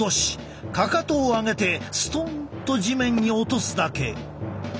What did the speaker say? かかとを上げてストンと地面に落とすだけ。